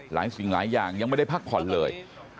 สิ่งหลายอย่างยังไม่ได้พักผ่อนเลย